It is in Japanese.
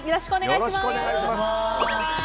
よろしくお願いします！